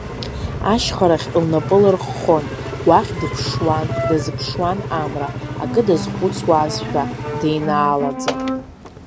Ашьхарахь лнапы лырххон, уахь дыԥшуан, дазыԥшуан амра, акы дазхәыцуазшәа, деинаалаӡа.